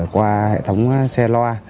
qua hệ thống xe loa